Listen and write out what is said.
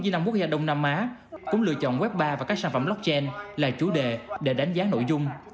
vnwh đông nam á cũng lựa chọn web bar và các sản phẩm blockchain là chủ đề để đánh giá nội dung